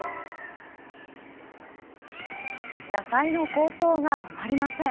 野菜の高騰が止まりません。